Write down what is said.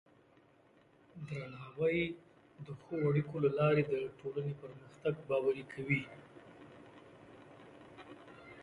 درناوی د ښو اړیکو له لارې د ټولنې پرمختګ یقیني کوي.